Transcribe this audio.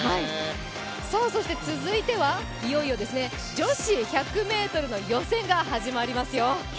そして、続いてはいよいよ女子１００ｍの予選が始まりますよ。